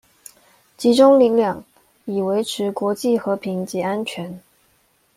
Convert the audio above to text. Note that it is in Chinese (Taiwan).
集中力量，以維持國際和平及安全